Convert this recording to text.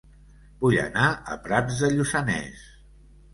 Vull anar a Prats de Lluçanès